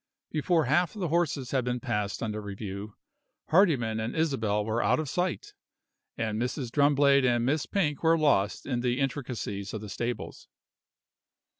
Before half the horses had been passed under review, Hardyman and Isabel were out of sight, and Mrs. Drumblade and Miss Pink were lost in the intricacies of the stables.